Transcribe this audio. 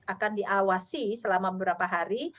akan diawasi selama beberapa hari